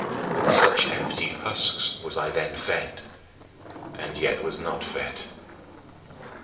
With such empty husks was I then fed, and yet was not fed.